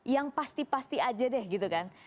yang pasti pasti aja deh gitu kan